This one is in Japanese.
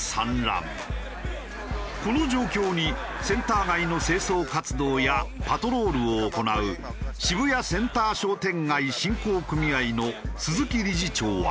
この状況にセンター街の清掃活動やパトロールを行う渋谷センター商店街振興組合の鈴木理事長は。